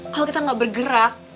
kalau kita gak bergerak